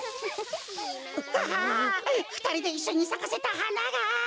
ああっふたりでいっしょにさかせたはなが！